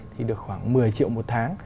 thì được khoảng một mươi triệu một tháng